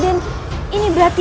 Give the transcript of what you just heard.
kau mencari dua blati